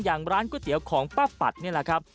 อย่างร้านก๋วยเตี๋ยวของป้าปัดนี่แหละครับ